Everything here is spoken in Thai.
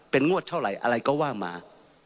งวดเท่าไหร่อะไรก็ว่ามา